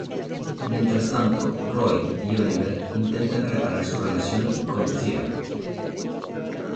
Mientras tanto, Roy y Oliver intentan reparar su relación con Thea.